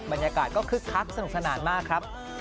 บรรยากาศก็คึกคักสนุกสนานมากครับ